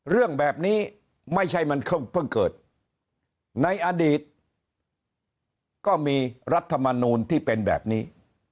เรื่องแบบนี้ไม่ใช่มันเพิ่งเกิดในอดีตก็มีรัฐมนูลที่เป็นแบบนี้